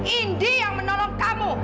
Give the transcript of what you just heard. indi yang menolong kamu